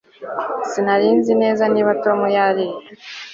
Sinari nzi neza niba Tom yariye